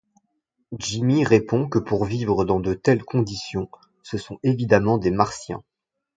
Jimmy répond que pour vivre dans de telles conditions, ce sont évidemment des martiens.